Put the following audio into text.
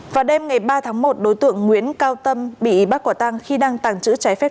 vào đêm ngày ba tháng một đối tượng nguyễn cao tâm bị bắt quả tăng khi đang tàng trữ trái phép